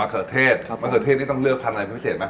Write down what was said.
มะเขือเทศมะเขือเทศนี่ต้องเลือกพันธุ์อะไรพิเศษไหม